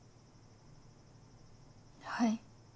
はい。